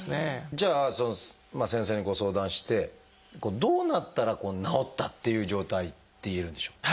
じゃあ先生にご相談してどうなったらこう治ったっていう状態っていえるんでしょう？